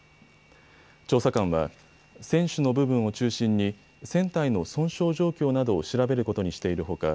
調査官は船首の部分を中心に船体の損傷状況などを調べることにしているほか